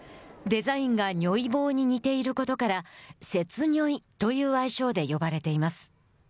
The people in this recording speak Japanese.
デザインが如意棒に似ていることから雪如意という愛称で呼ばれています。